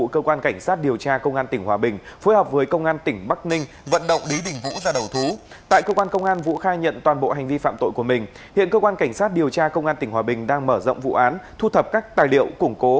cơ quan cảnh sát điều tra công an tỉnh hòa bình đang mở rộng vụ án thu thập các tài liệu củng cố